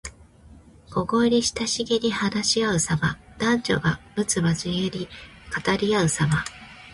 小声で親しげに話しあうさま。男女がむつまじげに語りあうさま。